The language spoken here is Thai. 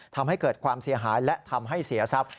ทำให้เกิดความเสียหายและทำให้เสียทรัพย